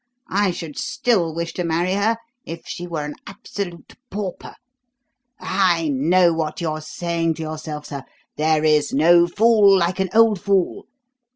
I should still wish to marry her if she were an absolute pauper. I know what you are saying to yourself, sir: 'There is no fool like an old fool.'